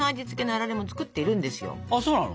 あっそうなの？